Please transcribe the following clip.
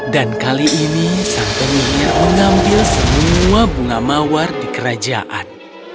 dan kali ini sang penyihir mengambil semua bunga mawar di kerajaan